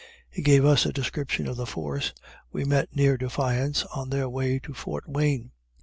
He gave us a description of the force we met near Defiance on their way to Fort Wayne.